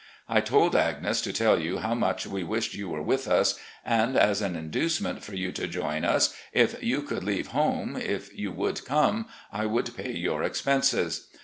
I told Agnes to tell you how much we wished you were with us, and as an inducement for you to join us, if you could leave home, if you would come, I would pay your expenses.